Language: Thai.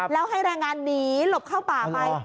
แล้วให้แรงงานหนีหลบเข้าป่าไป